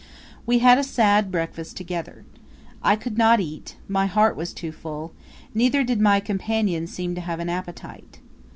We had a sad breakfast together. I could not eat, my heart was too full; neither did my companion seem to have an appetite.